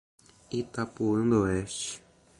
Itapuã do Oeste